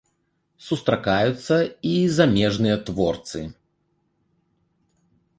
Сустракаюцца і замежныя творцы.